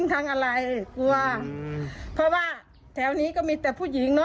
กลัวเพราะว่าแถวนี้ก็มีแต่ผู้หญิง